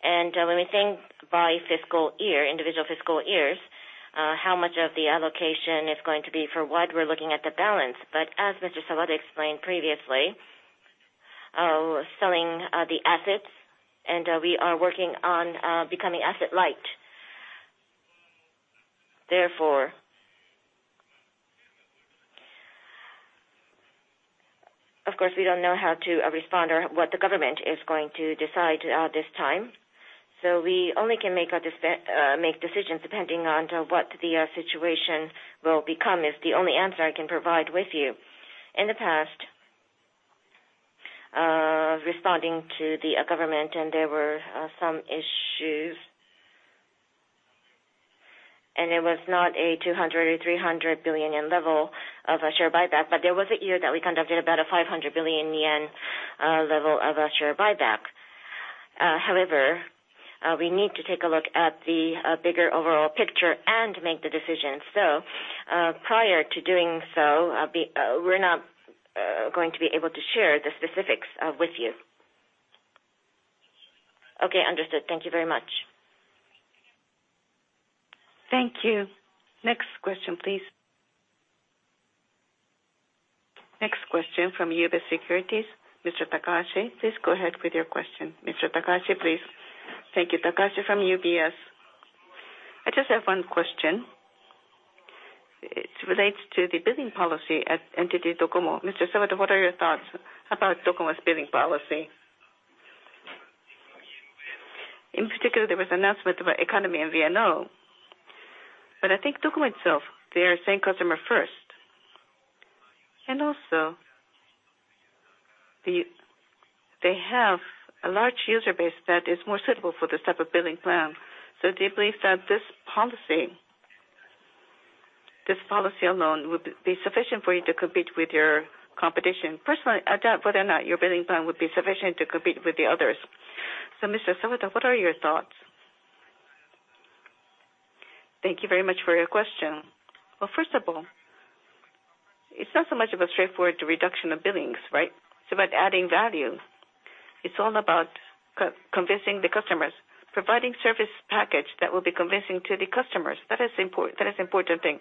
When we think by fiscal year, individual fiscal years, how much of the allocation is going to be for what, we're looking at the balance. As Mr. Sawada explained previously, we're selling the assets and we are working on becoming asset light. Therefore, of course, we don't know how to respond or what the government is going to decide this time. We only can make decisions depending on what the situation will become. That is the only answer I can provide with you. In the past, responding to the government and there were some issues, and it was not a 200 billion or 300 billion yen level of a share buyback, but there was a year that we conducted about a 500 billion yen level of a share buyback. However, we need to take a look at the bigger overall picture and make the decision. Prior to doing so, we're not going to be able to share the specifics with you. Okay. Understood. Thank you very much. Thank you. Next question, please. Next question from UBS Securities, Mr. Takahashi, please go ahead with your question. Mr. Takahashi, please. Thank you. Takashi from UBS. I just have one question. It relates to the billing policy at NTT DOCOMO. Mr. Sawada, what are your thoughts about DOCOMO's billing policy? In particular, there was an announcement about ahamo and MVNO. I think DOCOMO itself, they are saying customer first, and also they have a large user base that is more suitable for this type of billing plan. Do you believe that this policy, this policy alone would be sufficient for you to compete with your competition? Personally, I doubt whether or not your billing plan would be sufficient to compete with the others. Mr. Sawada, what are your thoughts? Thank you very much for your question. Well, first of all, it's not so much of a straightforward reduction of billings, right? It's about adding value. It's all about convincing the customers. Providing service package that will be convincing to the customers, that is important thing.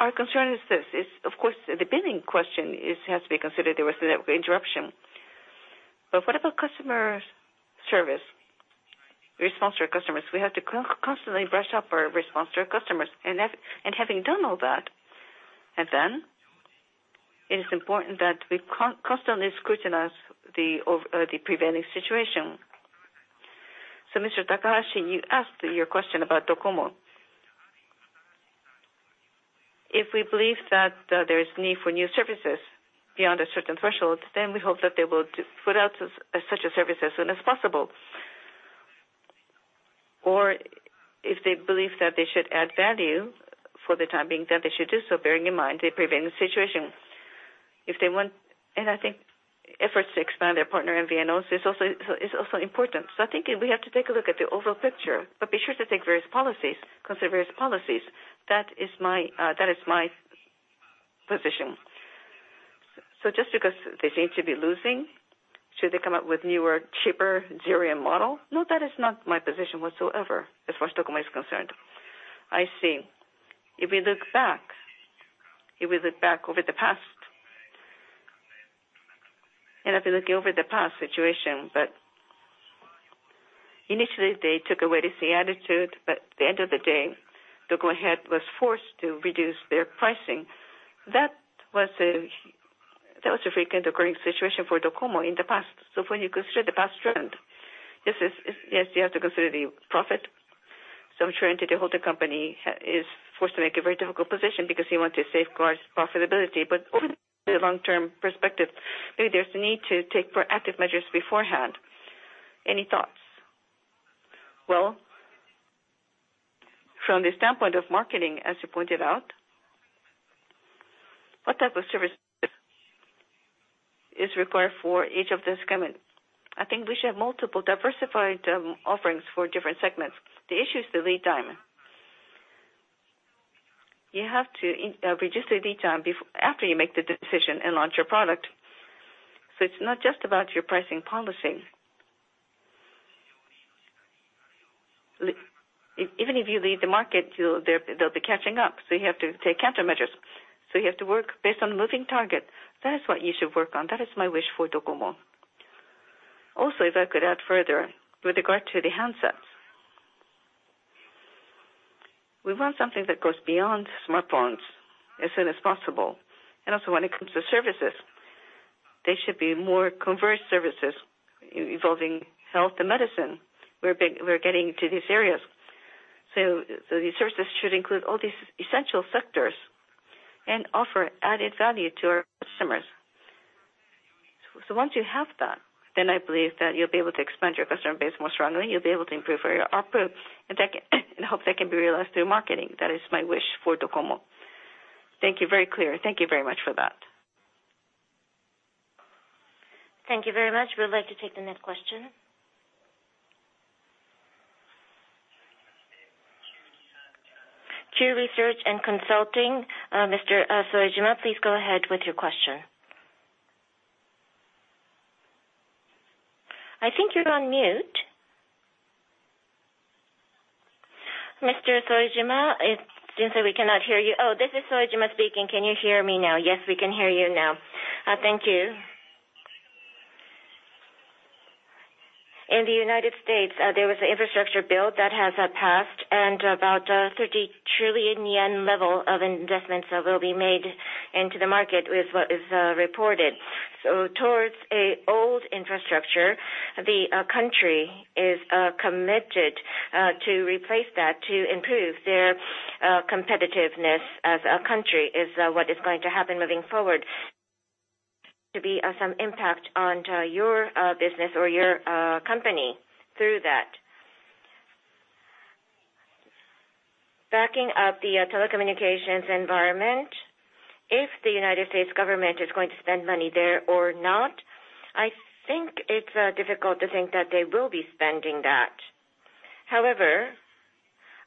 Our concern is this, of course, the billing question has to be considered. There was an interruption. What about customer service response to our customers. We have to constantly brush up our response to our customers. Having done all that, it is important that we constantly scrutinize the prevailing situation. Mr. Takahashi, you asked your question about DOCOMO. If we believe that there is need for new services beyond a certain threshold, then we hope that they will put out such a service as soon as possible. If they believe that they should add value for the time being, then they should do so, bearing in mind the prevailing situation. I think efforts to expand their partner MVNOs is also important. I think we have to take a look at the overall picture, but be sure to consider various policies. That is my position. Just because they seem to be losing, should they come up with newer, cheaper zero model? No, that is not my position whatsoever as far as DOCOMO is concerned. I see. If you look back, if we look back over the past. If you look over the past situation, initially they took a wait-and-see attitude. At the end of the day, DOCOMO had was forced to reduce their pricing. That was a frequent occurring situation for DOCOMO in the past. When you consider the past trend, this is, yes, you have to consider the profit. I'm sure NTT holding company is forced to make a very difficult position because they want to safeguard profitability. Over the long term perspective, maybe there's a need to take proactive measures beforehand. Any thoughts? Well, from the standpoint of marketing, as you pointed out, what type of service is required for each of the segment? I think we should have multiple diversified offerings for different segments. The issue is the lead time. You have to reduce the lead time after you make the decision and launch your product. It's not just about your pricing policy. Even if you lead the market, they'll be catching up. You have to take countermeasures. You have to work based on moving target. That is what you should work on. That is my wish for DOCOMO. Also, if I could add further with regard to the handsets. We want something that goes beyond smartphones as soon as possible. Also when it comes to services, they should be more converged services involving health and medicine. We're getting to these areas, so these services should include all these essential sectors and offer added value to our customers. Once you have that, I believe that you'll be able to expand your customer base more strongly. You'll be able to improve your output, and that I hope that can be realized through marketing. That is my wish for DOCOMO. Thank you. Very clear. Thank you very much for that. Thank you very much. We would like to take the next question. Cheuvreux Research and Consulting, Mr. Soejima, please go ahead with your question. I think you're on mute. Mr. Soejima, it seems that we cannot hear you. Oh, this is Soejima speaking. Can you hear me now? Yes, we can hear you now. Thank you. In the United States, there was an infrastructure bill that has passed and about 30 trillion yen level of investments will be made into the market with what is reported. Towards a old infrastructure, the country is committed to replace that to improve their competitiveness as a country, is what is going to happen moving forward to be some impact on your business or your company through that. Backing up the telecommunications environment, if the United States government is going to spend money there or not, I think it's difficult to think that they will be spending that. However,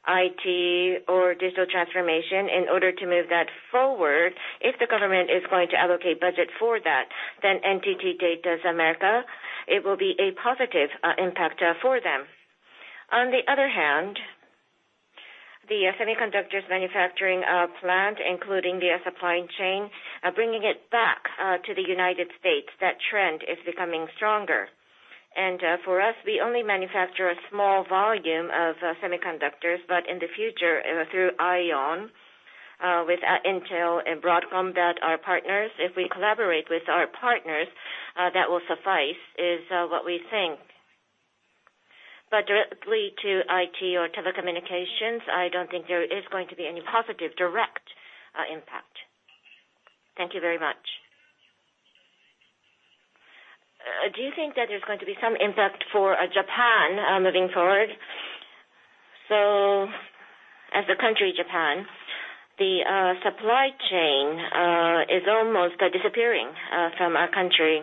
IT or digital transformation, in order to move that forward, if the government is going to allocate budget for that, then NTT DATA's America, it will be a positive impact for them. On the other hand, semiconductors manufacturing plant, including the supply chain, bringing it back to the United States, that trend is becoming stronger. For us, we only manufacture a small volume of semiconductors, but in the future, through IOWN, with Intel and Broadcom that are partners, if we collaborate with our partners, that will suffice is what we think. Directly to IT or telecommunications, I don't think there is going to be any positive direct impact. Thank you very much. Do you think that there's going to be some impact for Japan moving forward? As a country, Japan, the supply chain is almost disappearing from our country.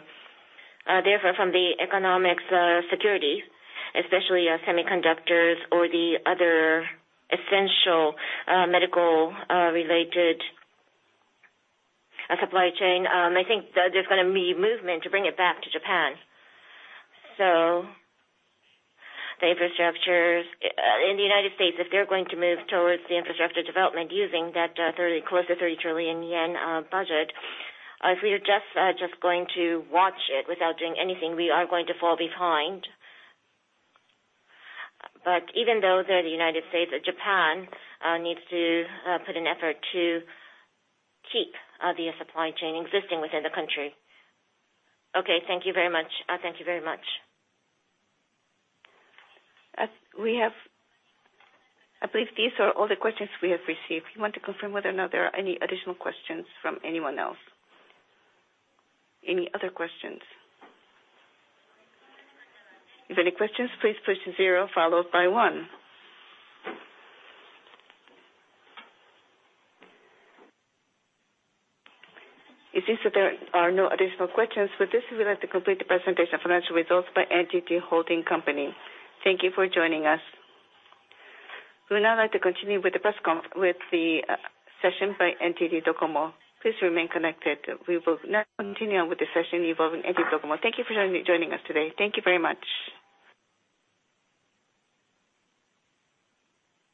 Therefore, from the economics security, especially, semiconductors or the other essential, medical related supply chain, I think there's gonna be movement to bring it back to Japan. The infrastructures in the United States, if they're going to move towards the infrastructure development using that, close to 30 trillion yen budget, if we are just going to watch it without doing anything, we are going to fall behind. Even though they're the United States, Japan needs to put an effort to keep the supply chain existing within the country. Okay. Thank you very much. Thank you very much. I believe these are all the questions we have received. We want to confirm whether or not there are any additional questions from anyone else. Any other questions? If any questions, please push zero followed by one. It seems that there are no additional questions. With this, we would like to complete the presentation of financial results by NTT Holding Company. Thank you for joining us. We would now like to continue with the session by NTT DOCOMO. Please remain connected. We will now continue on with the session involving NTT DOCOMO. Thank you for joining us today. Thank you very much.